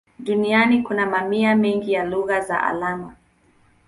Duniani kuna mamia mengi ya lugha za alama.